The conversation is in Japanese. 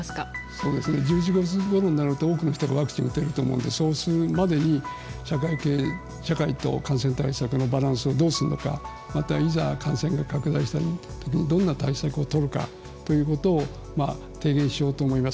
１１月ごろになると多くの人がワクチンを打てると思うのでそうするまでに社会と感染対策のバランスをどうするのかまたいざ感染が拡大したときにどんな対策をとるかということを提言しようと思います。